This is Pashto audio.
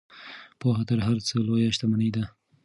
پوهه تر هر څه لویه شتمني ده.